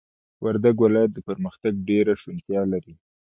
وردگ ولايت د پرمختگ ډېره شونتيا لري،